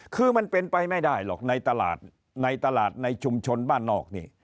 คือมันเป็นไปไม่ได้หรอกในตลาดในตลาดในชุมชนบ้านนอกนี่